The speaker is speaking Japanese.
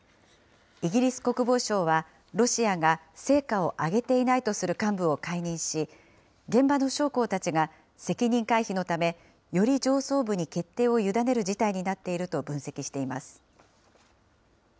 イギリス国防省は、ロシアが成果を上げていないとする幹部を解任し、現場の将校たちが責任回避のため、より上層部に決定を委ねる事態になっていると分析しています。